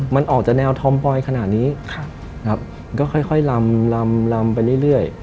มันออกจากแนวทอมปลอยขนาดนี้ก็ค่อยลำลำไปเรื่อย